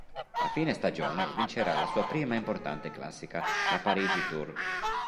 A fine stagione vincerà la sua prima importante classica, la Parigi-Tours.